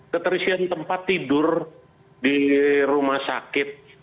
keterisian tempat tidur di rumah sakit